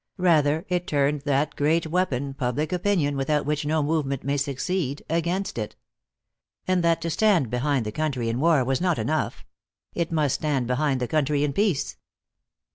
Rather, it turned that great weapon, public opinion, without which no movement may succeed, against it. And that to stand behind the country in war was not enough. It must stand behind the country in peace.